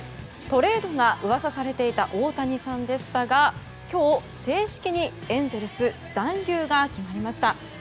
トレードが噂されていた大谷さんでしたが今日、正式にエンゼルス残留が決まりました。